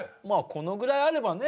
このぐらいあればね？